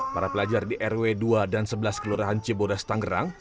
para pelajar di rw dua dan sebelas kelurahan cibodas tangerang